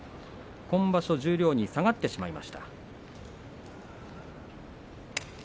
今場所、十両に下がってしまいました。